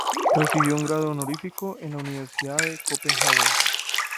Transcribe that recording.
Recibió un grado honorífico en la Universidad de Copenhague.